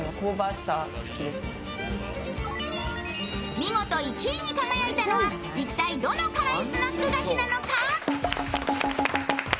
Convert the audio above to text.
見事、１位に輝いたのは一体、どのスナック菓子なのか。